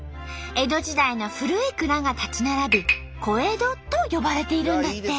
江戸時代の古い蔵が立ち並び「小江戸」と呼ばれているんだって。